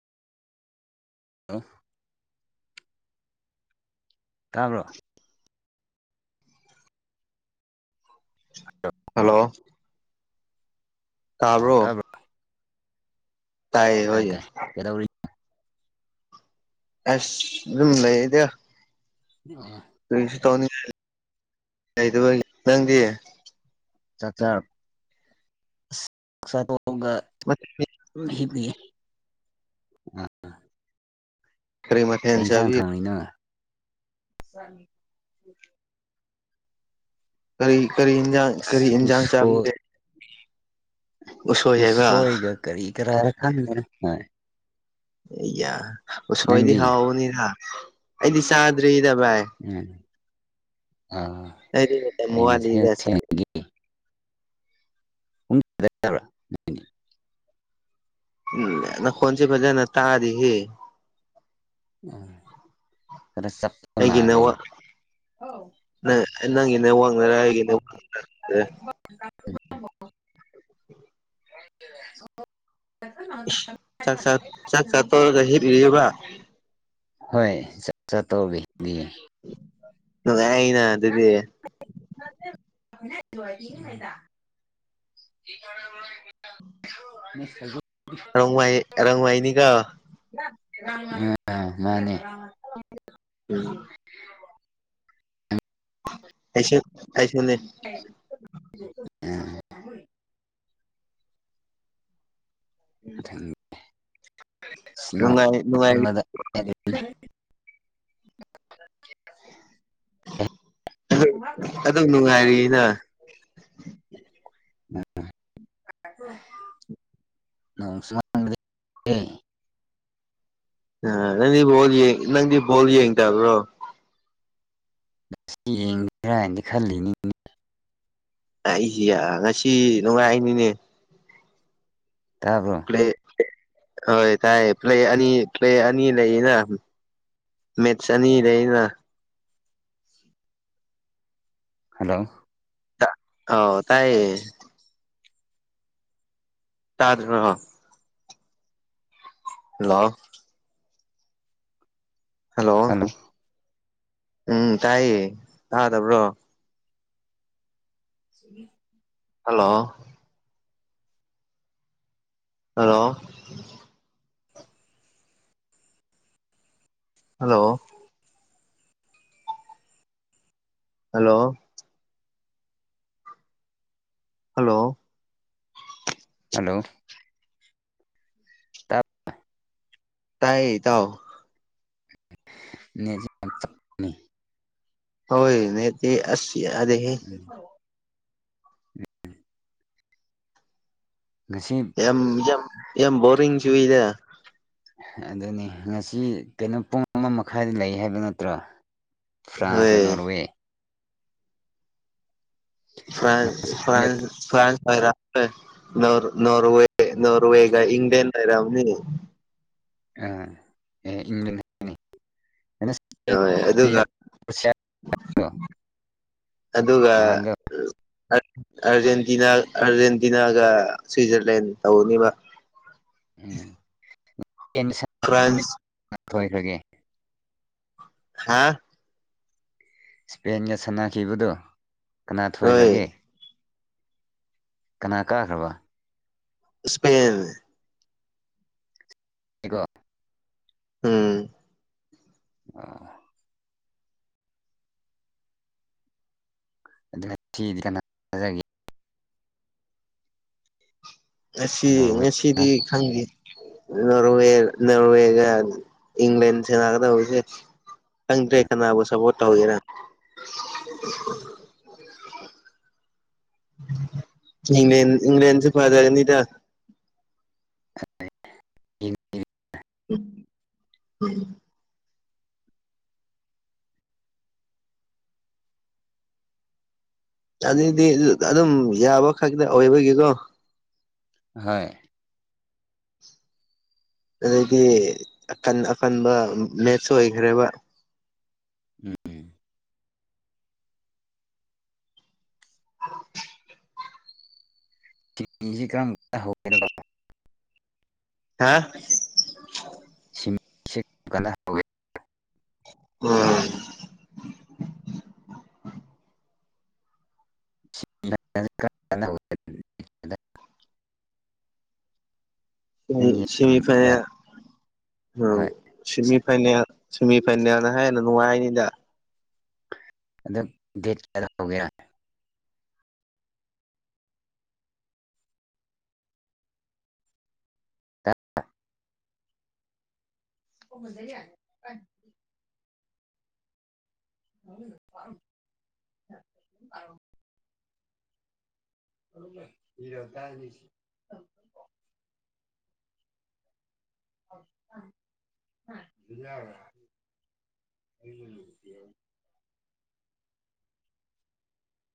ꯑꯍ ꯇꯥꯕ꯭ꯔꯣ ꯍꯜꯂꯣ ꯇꯥꯕ꯭ꯔꯣ ꯇꯥꯏꯌꯦ ꯍ ꯇꯥꯏ ꯇꯥꯏ ꯀꯩꯗꯧꯔꯤ ꯑꯁ ꯑꯗꯨꯝ ꯂꯩꯗ [unintelligible] ꯀꯔꯤꯁꯨ ꯇꯧꯅꯤꯡꯉꯥꯏ ꯂꯩꯗ ꯅꯪꯗꯤ ꯆ ꯆꯆꯥ ꯑꯁꯔ ꯍꯒ [unintelligible] ꯎ ꯍꯄꯦ ꯀꯔꯤ ꯃꯊꯦꯜ ꯀꯟꯁꯥꯡ ꯆꯥꯕꯤ ꯊꯣꯡꯉꯤꯅꯣ ꯀꯔꯤ ꯀꯔꯤ ꯏꯟꯖꯥꯡ ꯀꯔꯤ ꯏꯟꯖꯥꯡ ꯎꯁꯣꯏ ꯆꯥꯕꯤꯗꯦ ꯎꯁꯣꯏꯒ ꯀꯔꯤ ꯀꯥꯔ ꯈꯪꯂꯦ ꯑꯦ ꯌꯥ ꯎꯁꯣꯏꯗꯤ ꯅꯪꯗꯤ ꯍꯥꯎꯕꯅꯤꯗ ꯑꯩꯗꯤ ꯆꯥꯗ꯭ꯔꯤꯗ ꯚꯥꯏ ꯎꯝ ꯑ ꯑꯩꯗꯤ ꯃꯋꯥꯜꯂꯤꯖꯦꯟ ꯁꯥꯅꯩ ꯎꯕ꯭ꯔ ꯎ ꯅ ꯈꯣꯟ ꯖꯦ ꯐꯖꯟꯅ ꯇꯥꯗꯦ ꯍꯦ ꯎ ꯈꯔ ꯆꯞ ꯑꯩꯒꯤ ꯅ ꯋꯥ ꯍꯥꯎ ꯅꯪ ꯅꯪꯒꯤ ꯅꯦꯠꯋꯥꯛꯅꯔ ꯑꯩꯒꯤ [inaudible] [inaudible] [inaudible] ꯆꯥꯛꯆꯥ-ꯆꯥ ꯆꯥꯛꯇꯣꯔꯒ ꯍꯤꯞꯂꯤꯌꯦꯕ ꯍꯣꯏ ꯆꯥꯛꯆꯥ ꯇꯣꯛꯂꯒ ꯍꯤꯞꯂꯤꯌꯦ ꯅꯨꯡ ꯉꯥꯏꯅ [inaudible] [inaudible] [unintelligible] ꯅꯤꯀꯣ ꯎꯝ ꯃꯥꯅꯦ꯫ ꯎꯝ ꯑꯩꯁꯨ ꯑꯩꯁꯨꯅꯦ꯫ [inaudible] ꯅꯨꯡꯉꯥꯏ ꯅꯨꯡꯉꯥꯏꯔꯤ [unintelligible] [inaudible] ꯑꯗꯨꯝ ꯅꯨꯡꯉꯥꯏꯔꯤꯅ? [inaudible] ꯑ ꯅꯪꯗꯤ ꯕꯥꯜ ꯌꯦ ꯅꯪꯗꯤ ꯕꯣꯜ ꯌꯦꯡꯗꯕ꯭ꯔꯣ? ꯁꯤ ꯌꯦꯡꯁꯤꯔꯅ ꯍꯥꯏꯅ ꯈꯜꯂꯤꯅꯤ꯫ ꯑꯩꯁꯤ ꯉꯁꯤ ꯅꯨꯡꯉꯥꯏꯅꯤꯅꯦ꯫ ꯇꯥꯕ꯭ꯔꯣ? ꯄ꯭ꯂꯦ ꯍꯣꯏ ꯇꯥꯏꯌꯦ ꯄ꯭ꯂꯦ ꯑꯅꯤ ꯄ꯭ꯂꯦ ꯑꯅꯤ ꯂꯩꯌꯦꯅ꯫ ꯃꯦꯠꯁ ꯑꯅꯤ ꯂꯩꯌꯦꯅ꯫ ꯍꯜꯂꯣ꯫ ꯑꯥꯎ ꯇꯥꯏꯌꯦ꯫ ꯇꯥꯗ꯭ꯔꯦ? ꯍꯜꯂꯣ꯫ ꯍꯜꯂꯣ, ꯎꯝ ꯇꯥꯏꯌꯦ, ꯇꯥꯗꯕ꯭ꯔꯣ? [inaudible] Hello hello hello hello hello hello [unintelligible] ꯇꯥꯏꯌꯦ ꯏꯇꯥꯎ꯫ [unintelligible] ꯍꯣꯏ ꯅꯦꯠꯇꯤ ꯑꯁ ꯌꯥꯗꯦꯍꯦ꯫ [inaudible] ꯉꯁꯤꯝ ꯌꯥꯝ-ꯌꯥꯝ-ꯌꯥꯝ ꯕꯣꯔꯤꯡ ꯆꯨꯏꯗ꯫ ꯑꯗꯨꯅꯤ ꯉꯁꯤ ꯀꯩꯅꯣ ꯄꯨꯡ ꯑꯃ ꯃꯈꯥꯏꯗ ꯂꯩ ꯍꯥꯏꯕ ꯅꯠꯇ꯭ꯔꯣ? ꯐ꯭ꯔꯥꯟꯁꯒ ꯍꯣꯏ ꯅꯣꯔꯋꯦ ꯐ꯭ꯔꯥꯟ ꯐ꯭ꯔꯥꯟꯁ ꯐ꯭ꯔꯥꯟꯁ [unintelligible] ꯅꯣꯔ- ꯅꯣꯔꯋꯦ꯫ ꯅꯣꯔꯋꯦꯒ ꯏꯪꯂꯦꯟ ꯂꯩꯔꯝꯅꯤ꯫ [unintelligible] ꯍꯣꯏ ꯑꯗꯨꯒ [inaudible] ꯑꯗꯨꯒ ꯅꯍꯥꯟꯗꯣ ꯑꯔ-ꯑꯥꯔꯖꯦꯟꯇꯤꯅꯥ ꯑꯥꯔꯖꯦꯟꯇꯤꯅꯥꯒ ꯁ꯭ꯋꯤꯖꯔꯂꯦꯟ ꯇꯧꯅꯤꯕ꯫ ꯎꯝ [unintelligible] ꯐ꯭ꯔꯥꯟꯁ ꯑ ꯐꯣꯏ ꯐꯣꯏꯒꯦ ꯍꯥꯥ ꯏꯁꯄꯦꯟꯒ ꯁꯥꯟꯅꯈꯤꯕꯗꯨ ꯀꯅꯥ ꯍꯣꯏ ꯊꯣꯏꯈ꯭ꯔꯒꯦ ꯀꯅꯥ ꯀꯥꯈ꯭ꯔꯕ ꯏꯁꯄꯦꯦꯟ ꯏꯀꯣ ꯎꯝ [inaudible] [unintelligible] ꯉꯁꯤ ꯅꯣꯔꯋꯦꯒ ꯉꯁꯤꯗꯤ ꯈꯪꯗꯦ ꯅꯣꯔꯋꯦ ꯅꯣꯔꯋꯦꯒ ꯏꯪꯪꯂ꯭ꯂꯦꯟ ꯁꯅꯥꯛꯒꯗꯁꯦ [unintelligible] ꯇꯪꯗꯦ ꯀꯅꯕ ꯁꯄꯣꯠꯇꯒꯦꯔ ꯏꯪꯪꯂ꯭ꯂꯦꯟ ꯏꯪꯪꯂ꯭ꯂꯦꯟꯁ ꯄꯥꯔꯖꯒꯅꯤꯗ [unintelligible] [inaudible] [inaudible] ꯑꯗꯨꯏꯗꯤ ꯑꯗꯨꯝ ꯌꯥꯕ ꯈꯛꯇ ꯑꯣꯏꯕꯒꯤꯀꯣ [unintelligible] ꯑꯗꯗꯤ ꯑꯀꯟ ꯑꯀꯟꯕ ꯃꯦꯠꯁ ꯑꯣꯏꯈ꯭ꯔꯦꯕ ꯑꯦ [unintelligible] ꯆꯁꯤ ꯀꯝ ꯍꯧꯔ [unintelligible] ꯍꯥ ꯁꯤꯃꯤꯁꯦ ꯀꯅꯥ ꯍꯧꯒ [unintelligible] ꯎꯝ [inaudible] ꯁꯤ [unintelligible] ꯅꯪ ꯌꯦꯡꯕ꯭ꯔꯥ ꯁꯦꯃꯤꯐꯥꯏꯅꯦꯜ ꯍꯣꯏ [unintelligible] ꯁꯤꯃꯤ ꯐꯥꯏꯅꯦ ꯁꯤꯃꯤ ꯐꯥꯏꯅꯦꯜꯅ ꯍꯥꯏ ꯑꯣ ꯅꯨꯡꯉꯥꯏꯅꯤꯗ ꯑꯗꯨ ꯗꯦꯠ ꯀꯌꯥꯗ ꯍꯧꯒꯦꯔ [unintelligible] ꯀ [unintelligible] ꯌ [unintelligible] ꯍ [unintelligible] ꯑ [inaudible] ꯍꯔ ꯇꯅꯤꯁꯤ [unintelligible] [inaudible]